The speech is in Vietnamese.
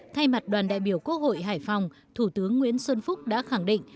thay mặt đoàn đại biểu quốc hội hải phòng thủ tướng nguyễn xuân phúc đã khẳng định